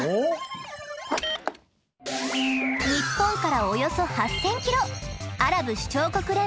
ニッポンからおよそ８，０００ｋｍ